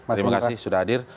terima kasih sudah hadir